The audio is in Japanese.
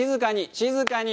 静かに。